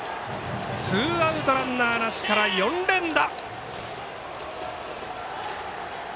ツーアウト、ランナーなしから４連打！